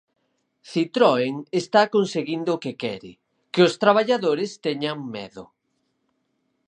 Citroën está conseguindo o que quere, que os traballadores teñan medo.